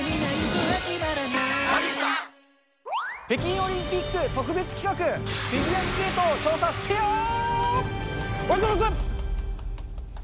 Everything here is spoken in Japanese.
北京オリンピック特別企画、フィギュアスケートを調査せよ。